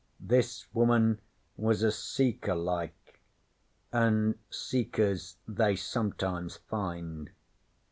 'This woman was a Seeker, like, an' Seekers they sometimes find.